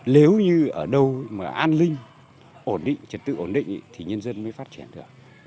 nếu như ở đâu mà an ninh trật tự ổn định thì nhân dân mới phát triển được